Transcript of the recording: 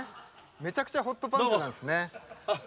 めちゃくちゃホットパンツなんですね。